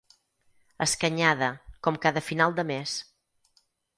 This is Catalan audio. Escanyada, com cada final de mes.